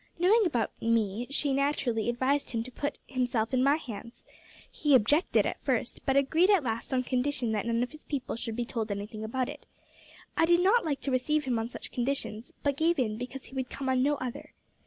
Knowing about me, she naturally advised him to put himself in my hands. He objected at first, but agreed at last on condition that none of his people should be told anything about it. I did not like to receive him on such conditions, but gave in because he would come on no other.